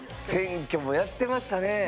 選挙もやってましたね。